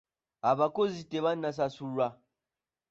Abakozi tebanasasulwa.